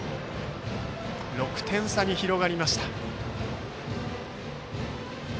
６点差に広がりました。